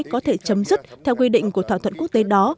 có thể chấm dứt theo quy định của thỏa thuận quốc tế đó